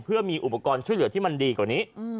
เพื่อมีอุปกรณ์ช่วยเหลือที่มันดีกว่านี้